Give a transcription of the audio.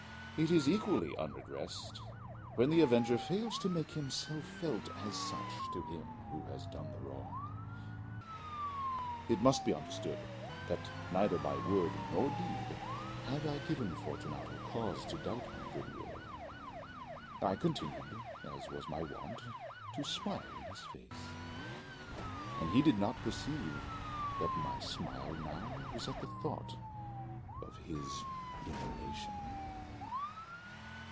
It is equally unredressed when the avenger fails to make himself felt as such to him who has done the wrong. It must be understood that neither by word nor deed had I given Fortunato cause to doubt my good will. I continued, as was my wont, to smile in his face, and he did not perceive that my smile now was at the thought of his immolation.